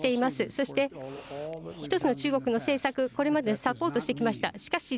そして、一つの中国の政策、これまでサポートしてきました。